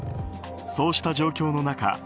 そうした状況の中